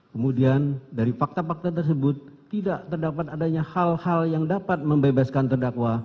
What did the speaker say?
kemudian dari fakta fakta tersebut tidak terdapat adanya hal hal yang dapat membebaskan terdakwa